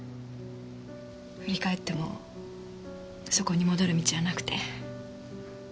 振り返ってもそこに戻る道はなくて。